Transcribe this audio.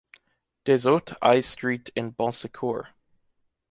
des Hautes Haies Street in Bonsecours